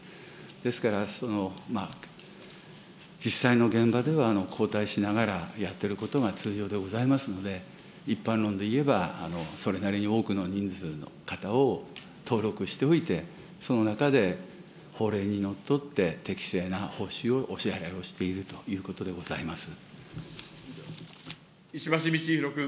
ですから実際の現場では、交代しながらやってることが通常でございますので、一般論で言えば、それなりに多くの人数の方を登録しておいて、その中で法令にのっとって適正な報酬をお支払いをしているという石橋通宏君。